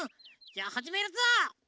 じゃあはじめるぞ。